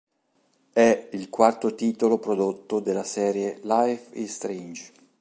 È il quarto titolo prodotto della serie "Life Is Strange".